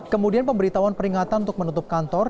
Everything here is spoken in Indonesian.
kemudian pemberitahuan peringatan untuk menutup kantor